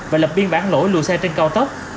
và lập biên bản lỗi lùi xe trên cao tốc